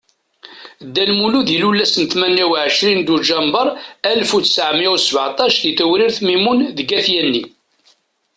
Dda Lmulud ilul ass tmenya u ɛecrin Duǧember Alef u ttɛemya u sbaɛṭac di Tewrirt Mimun deg At Yanni.